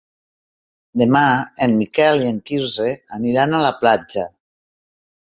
Demà en Miquel i en Quirze aniran a la platja.